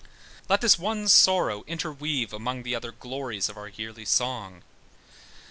Let this one sorrow interweave among The other glories of our yearly song.